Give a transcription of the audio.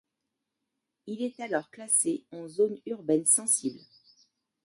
Il est alors classé en Zone Urbaine Sensible.